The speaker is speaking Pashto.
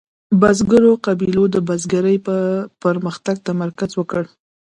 بزګرو قبیلو د بزګرۍ په پرمختګ تمرکز وکړ.